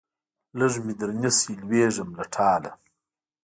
لږ مې درنیسئ لوېږم له ټاله